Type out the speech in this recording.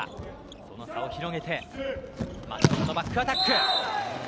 その差を広げてバックアタック。